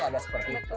ada seperti itu